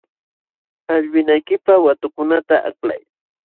Allwinaykipaq watukunata aklay.